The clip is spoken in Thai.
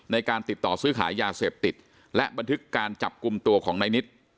ในการติดต่อซื้อขายยาเสพติดและบันทึกการจับกลุ่มตัวของนายนิด